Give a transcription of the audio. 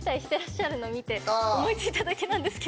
のを見て思い付いただけなんですけど。